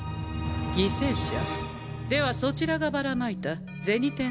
犠牲者？ではそちらがばらまいた銭天堂の偽物の駄菓子は？